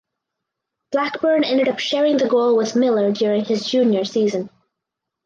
Blackburn ended up sharing the goal with Miller during his junior season.